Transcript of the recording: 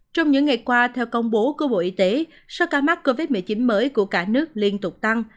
trong những ngày qua theo công bố của bộ y tế số ca mắc covid một mươi chín mới của cả nước liên tục tăng